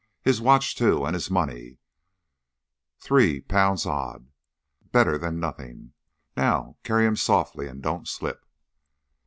His watch, too, and his money L3 odd; better than nothing. Now carry him softly and don't slip."